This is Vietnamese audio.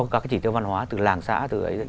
các cái chỉ tiêu văn hóa từ làng xã từ ấy